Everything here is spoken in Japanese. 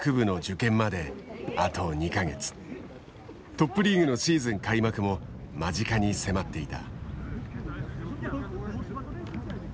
トップリーグのシーズン開幕も間近に迫っていた。